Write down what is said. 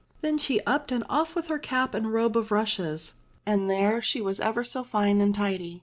Then she upped and off with her cap and robe of rushes, and there she was ever so fine and tidy.